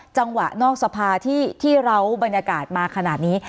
จังหวะนอกสภาที่เราบรรยากาศมาขนาดนี้